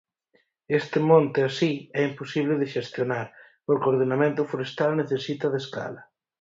Este monte, así, é imposible de xestionar, porque o ordenamento forestal necesita de escala.